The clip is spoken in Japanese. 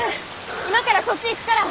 今からそっち行くから。